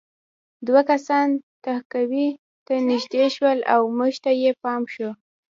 دوه کسان تهکوي ته نږدې شول او موږ ته یې پام شو